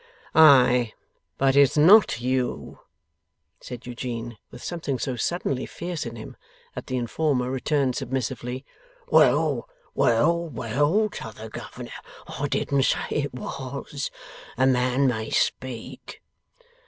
'Ay, but it is not you,' said Eugene. With something so suddenly fierce in him that the informer returned submissively; 'Well, well, well, t'other governor, I didn't say it was. A man may speak.